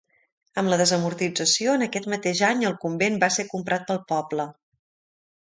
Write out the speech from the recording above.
Amb la desamortització, en aquest mateix any el convent va ser comprat pel poble.